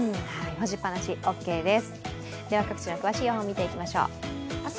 干しっぱなしオーケーです。